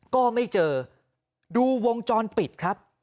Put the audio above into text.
ก็ไม่เจอดูวงจรปิดครับ